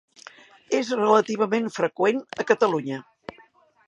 És relativament freqüent a Catalunya.